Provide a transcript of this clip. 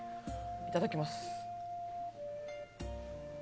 いただきます。